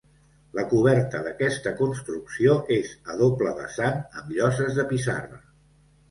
La coberta d'aquesta construcció és a doble vessant amb lloses de pissarra.